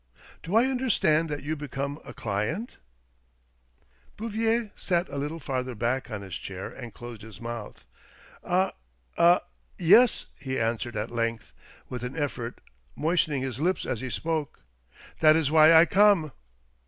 Do I understand that you become a client ?" Bouvier sat a little farther back on his chair and closed his mouth, " A — a — yes," he answered at length, with an effort, moistening his lips as he spoke. " That is why I come."